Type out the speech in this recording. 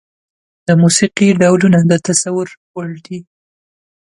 د موسيقي ډولونه د تصور وړ دي.